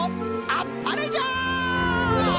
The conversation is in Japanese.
あっぱれじゃ！